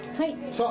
さあ。